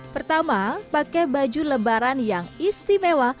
pertama pakai baju lebaran yang istimewa